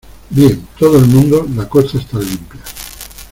¡ Bien, todo el mundo , la costa está limpia!